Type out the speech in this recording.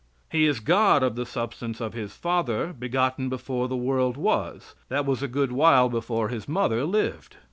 He is God of the substance of His Father begotten before the world was. That was a good while before His mother lived.